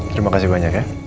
terima kasih banyak ya